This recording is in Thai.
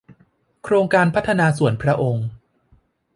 โครงการพัฒนาส่วนพระองค์